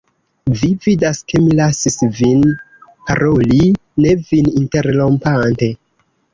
Vi vidas, ke mi lasis vin paroli, ne vin interrompante.